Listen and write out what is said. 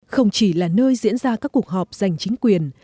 không chỉ là nơi diễn ra các cuộc họp giành chính quyền